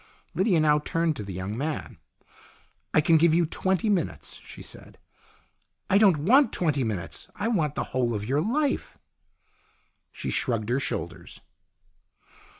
Lydia now turned to the young man. " I can give you twenty minutes," she said. " I don't want twenty minutes. I want the whole of your life." She shrugged her shoulders.